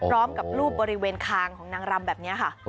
รูปบริเวณคางของนางรำแบบนี้ค่ะ